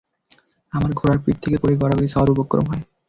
আমর ঘোড়ার পিঠ থেকে পড়ে গড়াগড়ি খাওয়ার উপক্রম হয়।